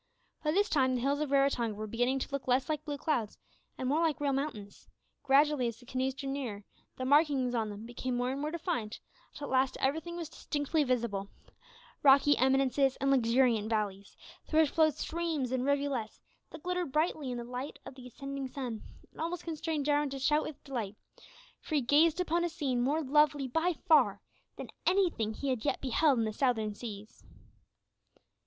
By this time the hills of Raratonga were beginning to look less like blue clouds and more like real mountains; gradually as the canoes drew nearer, the markings on them became more and more defined, until at last everything was distinctly visible rocky eminences and luxuriant valleys, through which flowed streams and rivulets that glittered brightly in the light of the ascending sun, and almost constrained Jarwin to shout with delight, for he gazed upon a scene more lovely by far than anything that he had yet beheld in the Southern Seas.